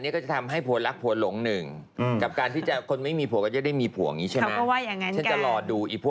ต้องรอให้แบบเลยพระจันทร์ผ่านหัวไปก่อนอะไรแบบนี้